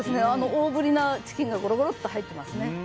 大ぶりなチキンがごろごろと入っていますね。